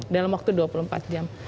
dalam waktu dua puluh empat jam